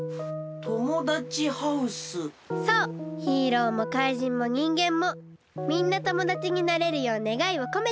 ヒーローもかいじんもにんげんもみんなともだちになれるようねがいをこめて！